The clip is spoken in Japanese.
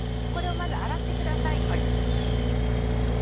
これをまず洗ってください。